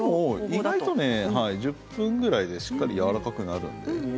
意外と１０分ぐらいでしっかりやわらかくなるので。